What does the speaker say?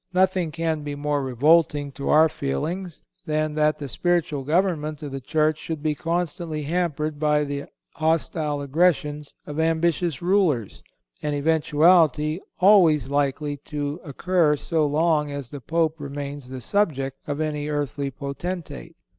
Nothing can be more revolting to our feelings than that the spiritual government of the Church should be constantly hampered by the hostile aggressions of ambitious rulers, an eventuality always likely to occur so long as the Pope remains the subject of any earthly potentate.